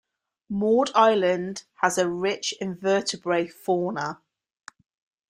Maud Island has a rich invertebrate fauna.